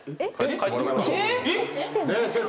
帰ってもらいましょう。